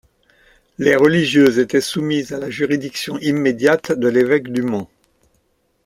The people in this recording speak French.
Les religieuses étaient soumises à la juridiction immédiate de l'évêque du Mans.